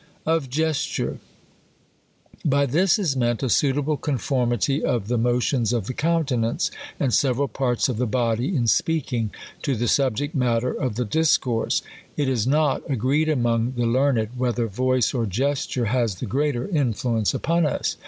OF GESTURE. By" this is meant, a suitable conformity of the mo tions of the countenance, and several parts of the body in speaking, to the subject matter of the discourse. It is not agreed among the learned, whether voice or ges ture has the greater influence upon us.